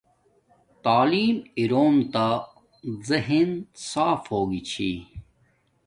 تعلیم اروم تا زہین صاف ہوگی چھی